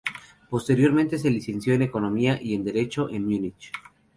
Posteriormente se licenció en Economía y en Derecho en Múnich.